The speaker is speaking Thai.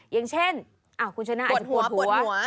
อย่างเช่นคุณชนะอาจจะปวดหัว